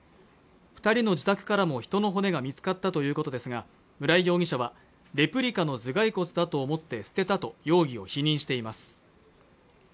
二人の自宅からも人の骨が見つかったということですが村井容疑者はレプリカの頭蓋骨だと思って捨てたと容疑を否認しています